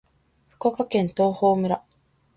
福岡県東峰村